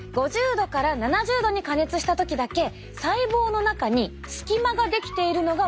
℃から７０℃に加熱した時だけ細胞の中に隙間が出来ているのが分かりますか？